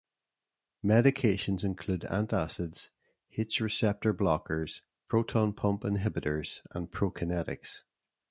Medications include antacids, H receptor blockers, proton pump inhibitors, and prokinetics.